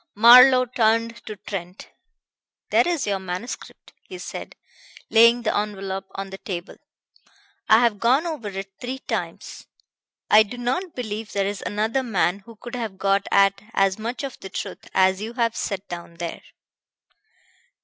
Marlowe turned to Trent. "There is your manuscript," he said, laying the envelop on the table. "I have gone over it three times. I do not believe there is another man who could have got at as much of the truth as you have set down there."